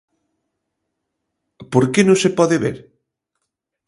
¿Por que non se pode ver?